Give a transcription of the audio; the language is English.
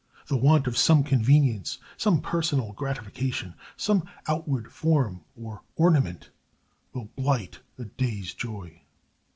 The want of some convenience, some personal gratification, some outward form or ornament will blight a day's joy.